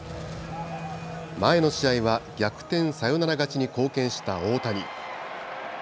前の試合は逆転サヨナラ勝ちに貢献した大谷。